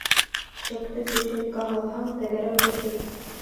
Ишәкте түшәккә һалһаң, тәгәрәп төшөр.